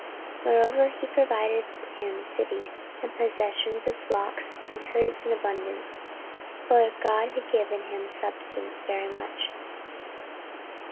14:032:029 Moreover he provided him cities, and possessions of flocks and herds in abundance: for God had given him substance very much.